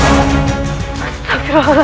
jangan bernasibar ke astagfir allah